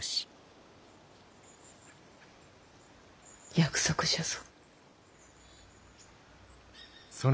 約束じゃぞ。